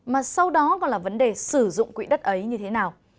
mà sau đó còn là vấn đề sử dụng quỹ đất ấy như thế nào